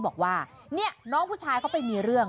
บอกว่าเนี่ยน้องผู้ชายเขาไปมีเรื่อง